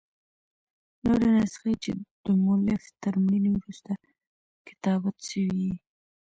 نوري نسخې، چي دمؤلف تر مړیني وروسته کتابت سوي يي.